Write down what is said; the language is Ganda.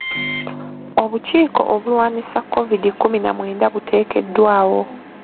Obukiiko obulwanyisa Kovidi kkumi na mwenda buteekeddwawo.